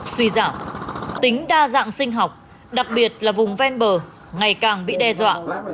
suy giảm tính đa dạng sinh học đặc biệt là vùng ven bờ ngày càng bị đe dọa